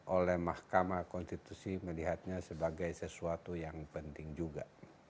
oleh mahkamah konstitusi melihatnya sebagai sesuatu yang penting juga